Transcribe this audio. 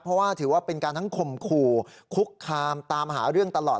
เพราะว่าถือว่าเป็นการทั้งข่มขู่คุกคามตามหาเรื่องตลอด